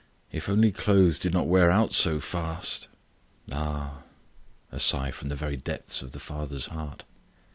If only clothes did not wear out so fast." "Ah!" A sigh from the very depths of the father's heart.